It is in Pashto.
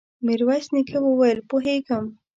ميرويس نيکه وويل: پوهېږم.